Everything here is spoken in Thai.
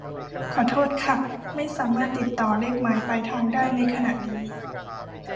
ขอโทษค่ะ ไม่สามารถติดต่อเลขหมายปลายทางได้ในขนาดนี้